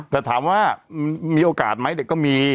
แต่ถามว่ามีโอกาสไหมเด็กก็มี